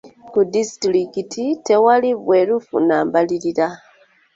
Ku disitulikiti tewali bwerufu na mbalirira.